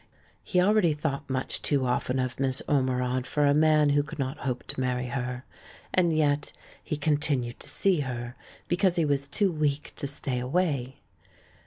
He already thought much too often of Miss Orinerod for a man who could not hope to marry her, and yet he continued to see her because he was too weak to stay away.